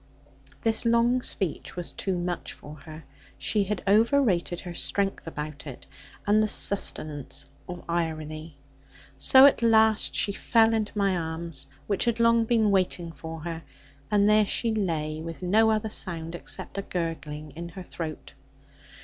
This long speech was too much for her; she had overrated her strength about it, and the sustenance of irony. So at last she fell into my arms, which had long been waiting for her; and there she lay with no other sound, except a gurgling in her throat.